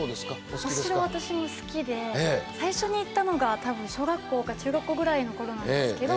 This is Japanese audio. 私も好きで最初に行ったのが多分小学校か中学校ぐらいの頃なんですけど。